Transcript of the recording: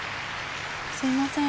すいません。